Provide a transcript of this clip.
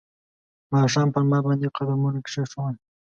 ماښام پر ما باندې قدمونه کښېښول